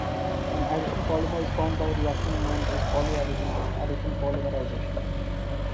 An addition polymer is formed by a reaction known as polyaddition or addition polymerization.